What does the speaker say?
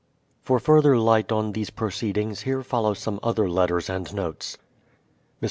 For further light on these proceedings, here follow some other letters and notes. Mr.